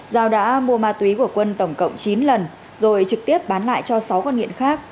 giao đã mua ma túy của quân tổng cộng chín lần rồi trực tiếp bán lại cho sáu con nghiện khác